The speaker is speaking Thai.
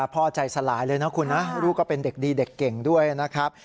พ่อใจสลายเลยนะคุณนะลูกก็เป็นเด็กดีเด็กเก่งด้วยนะครับ